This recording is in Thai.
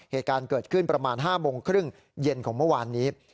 เหตุการณ์เกิดขึ้นประมาณ๕โมงครึ่งเย็นของเมื่อวานนี้